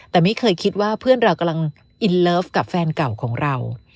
แต่ไม่เคยคิดว่าเพื่อนเรากำลังอินเลิฟกับแฟนเก่าของเรา